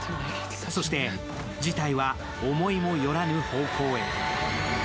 そして事態は思いもよらぬ方向へ。